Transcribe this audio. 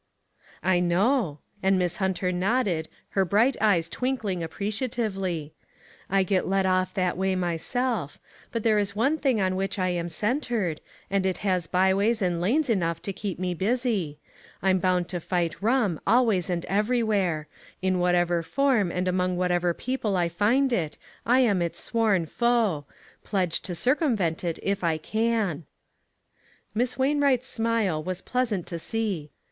"I know," and Miss Hunter nodded, her bright eyes twinkling appreciatively ;" I get led off that way myself ; but there is one thing on which I am centred, and it has by ways and lanes enough to keep me busy ; I'm bound to fight rum, always and everywhere ; in whatever form and among whatever peo ple I find it, I am its sworn foe ; pledged to circumvent it if I can." Miss Wainwright's smile was pleasant to see.